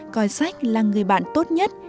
coi sách là người bạn tốt nhất